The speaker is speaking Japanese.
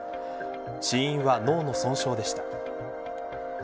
死因は脳の損傷でした。